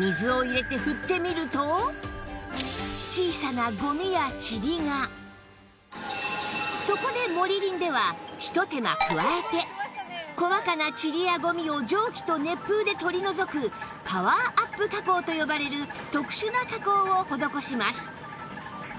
いやいやモリリンの羽毛は実はそこでモリリンではひと手間加えて細かなチリやゴミを蒸気と熱風で取り除くパワーアップ加工と呼ばれる特殊な加工を施します